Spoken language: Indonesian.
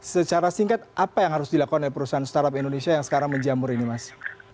secara singkat apa yang harus dilakukan oleh perusahaan startup indonesia yang sekarang menjamur ini mas